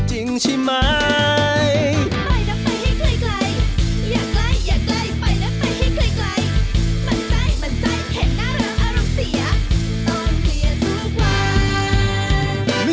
อิทธิพายา